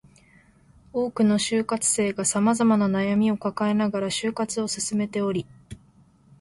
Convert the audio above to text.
多くの就活生が様々な悩みを抱えながら就活を進めており